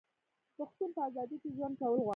پښتون په ازادۍ کې ژوند کول غواړي.